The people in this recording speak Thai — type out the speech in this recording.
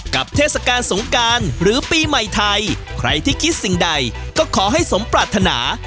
เทศกาลสงการหรือปีใหม่ไทยใครที่คิดสิ่งใดก็ขอให้สมปรารถนา